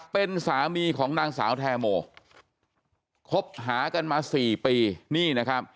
เป็นสามีของนางสาวแทรโมคบหากันมา๔ปี